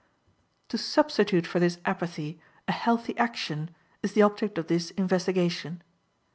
To substitute for this apathy a healthy action is the object of this investigation.